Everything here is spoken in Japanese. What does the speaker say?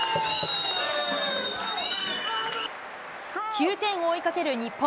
９点を追いかける日本。